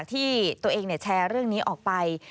ที่ตัวเองแชร์เรื่องนี้ออกไป